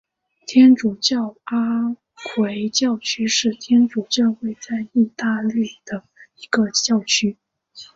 天主教阿奎教区是天主教会在义大利的一个教区。